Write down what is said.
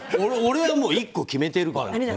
俺はもう１個決めてるから。